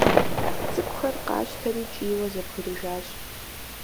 ЦӀыкӀухэр къащтэри кӀийуэ зэбгрыжащ.